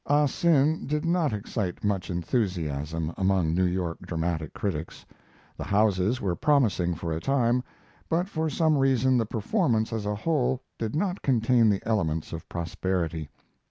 "Ah Sin" did not excite much enthusiasm among New York dramatic critics. The houses were promising for a time, but for some reason the performance as a whole did not contain the elements of prosperity.